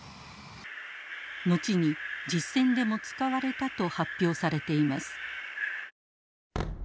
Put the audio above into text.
後に実戦でも使われたと発表されています。